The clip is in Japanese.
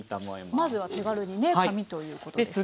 まずは手軽にね紙ということですね。